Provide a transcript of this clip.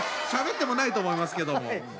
しゃべってもないと思いますけども。